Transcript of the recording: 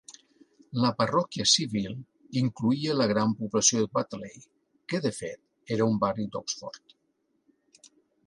La parròquia civil incloïa la gran població de Botley, que de fet era un barri d'Oxford.